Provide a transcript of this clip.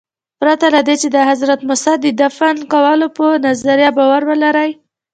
پرته له دې چې د حضرت موسی د دفن کولو په نظریه باور ولرئ.